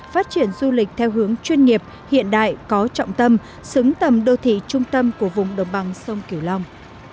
phát triển du lịch theo hướng chuyên nghiệp hiện đại có trọng tâm xứng tầm đô thị trung tâm của vùng đồng bằng sông kiều long